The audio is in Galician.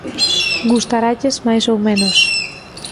Gustaralles máis ou menos.